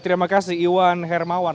terima kasih iwan hermawan